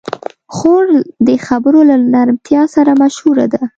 خور د خبرو له نرمتیا سره مشهوره ده.